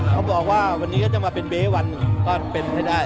เขาบอกว่าวันนี้ก็จะมาเป็นเบ๊วันก็เป็นให้ได้